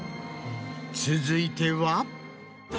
続いては。